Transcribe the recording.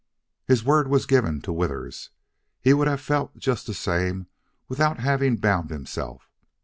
His word was given to Withers. He would have felt just the same without having bound himself.